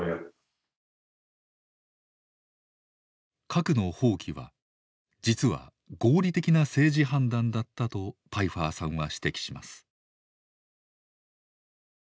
核の放棄は実は合理的な政治判断だったとパイファーさんは指摘します。